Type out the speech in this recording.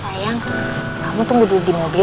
sayang kamu tunggu dulu di mobil